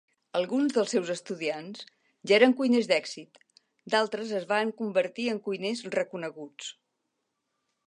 Alguns dels seus estudiants ja eren cuiners d'èxit; d'altres es van convertir en cuiners reconeguts.